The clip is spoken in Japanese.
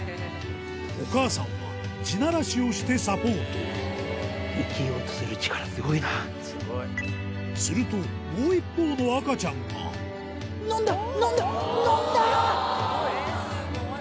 お母さんは地ならしをしてサポートするともう一方の赤ちゃんがえっスゴい！